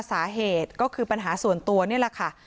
สาเหตุก็คือปัญหาส่วนตัวนี่แหละค่ะ